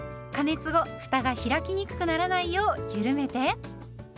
加熱後ふたが開きにくくならないようゆるめて。